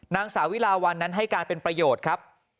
นางสาวิลาวันนั้นให้การเป็นประโยชน์ครับ